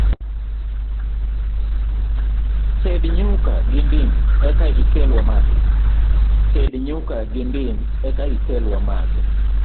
Ted nyuka gi dim eka ikel wamadhi.